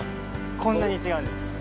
こんなに違うんです。